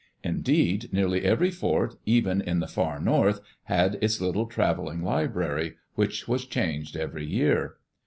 Indeed, nearly every fort, even in the far north, had its little traveling library, which was changed every year.